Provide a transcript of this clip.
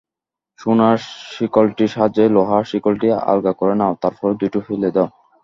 সোনার শিকলটির সাহায্যে লোহার শিকলটি আলগা করে নাও, তার পর দুটোই ফেলে দাও।